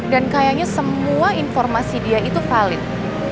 dan kayaknya semua informasi dia itu valid